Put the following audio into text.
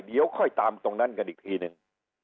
เดี๋ยวค่อยตามตรงนั้นกันอีกทีหนึ่ง